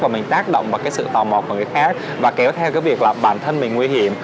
và mình tác động vào cái sự tò mọc của người khác và kéo theo cái việc là bản thân mình nguy hiểm